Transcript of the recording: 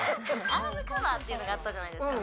アームカバーっていうのがあったじゃないですか。